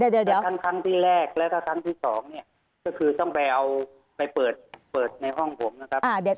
แต่ทั้งทั้งที่แรกและทั้งที่สองเนี่ยก็คือต้องไปเอาไปเปิดในห้องผมนะครับ